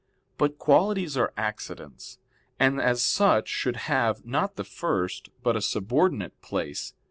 But qualities are accidents, and as such should have, not the first, but a subordinate place.